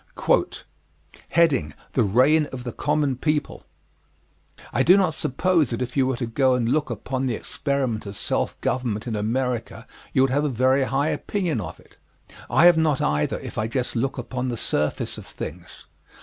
THE REIGN OF THE COMMON PEOPLE I do not suppose that if you were to go and look upon the experiment of self government in America you would have a very high opinion of it. I have not either, if I just look upon the surface of things.